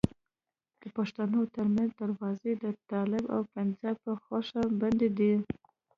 د پښتنو ترمنځ دروازې د طالب او پنجاب په خوښه بندي دي.